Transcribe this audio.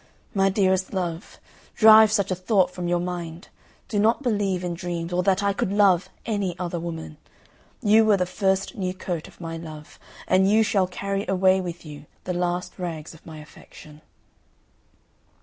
My dearest love, drive such a thought from your mind; do not believe in dreams, or that I could love any other woman; you were the first new coat of my love, and you shall carry away with you the last rags of my affection."